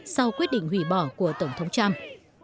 sau quyết định hủy bỏ của tổng thống trump